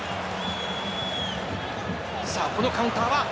さあ、このカウンターは。